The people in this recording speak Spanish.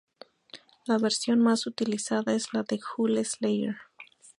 La versión más utilizada es la de Jules Lair.